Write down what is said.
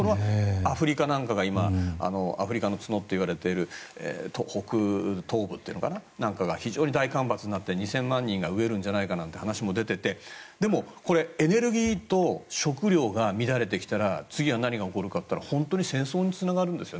アフリカなんかがアフリカの角といわれている北東部なんかが非常に大干ばつになって２０００万人が飢えるんじゃないかって話も出ててでも、これエネルギーと食料が乱れてきたら次は何が起こるかというと本当に戦争につながるんです。